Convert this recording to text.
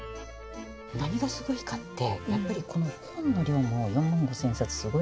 何がすごいかってやっぱりこの本の量も４万５，０００冊すごいんですけど。